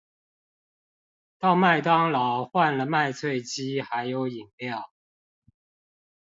到麥當勞換了麥脆雞還有飲料